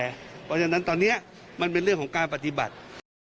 เพราะฉะนั้นตอนนี้มันเป็นเรื่องของการปฏิบัติ